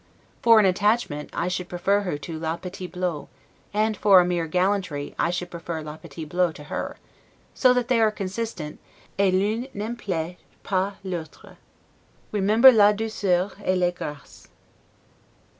For an attachment, I should prefer her to 'la petite Blot'; and, for a mere gallantry, I should prefer 'la petite Blot' to her; so that they are consistent, et 'l'un n'emplche pas l'autre'. Adieu. Remember 'la douceur et les graces'.